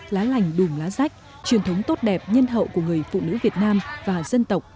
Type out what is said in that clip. lá lành đùm lá rách truyền thống tốt đẹp nhân hậu của người phụ nữ việt nam và dân tộc